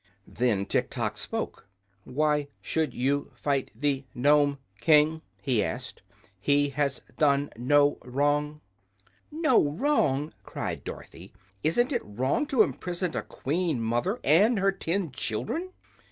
Then Tiktok spoke. "Why should you fight the Nome King?" he asked. "He has done no wrong." "No wrong!" cried Dorothy. "Isn't it wrong to imprison a queen mother and her ten children?"